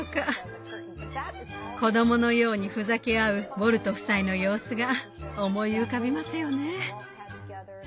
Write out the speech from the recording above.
子供のようにふざけ合うウォルト夫妻の様子が思い浮かびますよね。